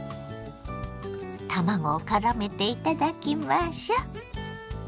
卵をからめていただきましょ。